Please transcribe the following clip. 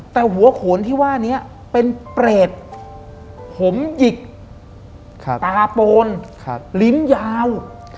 แต่หัวโขนที่ว่านี้เป็นเปรตผมหยิกตาโปนลิ้นยาว